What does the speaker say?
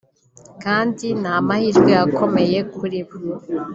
kandi ni amahirwe akomeye kuri bo